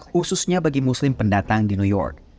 khususnya bagi muslim pendatang di new york